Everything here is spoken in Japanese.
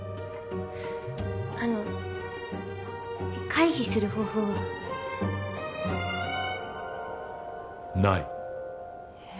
あの回避する方法は？無い。